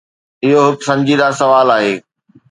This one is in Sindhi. اهو هڪ سنجيده سوال آهي.